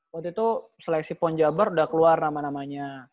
waktu itu seleksi pon jabar udah keluar nama namanya